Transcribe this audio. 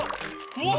うわ！